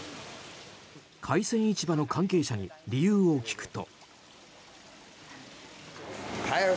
海鮮市場の関係者に理由を聞くと。